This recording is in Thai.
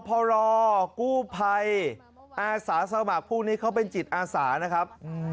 อปพรกภอาสาสมัครพวกนี้เขาเป็นจิตอาสานะครับ